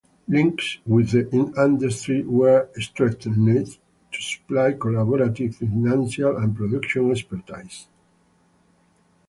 Links with the industry were strengthened to supply collaborative, financial and production expertise.